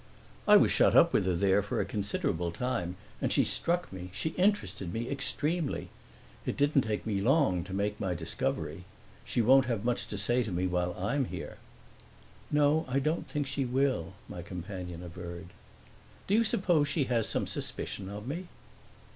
"I was shut up with her there for a considerable time, and she struck me, she interested me extremely. It didn't take me long to make my discovery. She won't have much to say to me while I'm here." "No, I don't think she will," my companion averred. "Do you suppose she has some suspicion of me?"